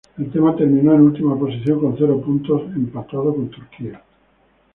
El tema terminó en última posición con cero puntos, empatado con Turquía.